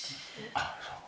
あっそう。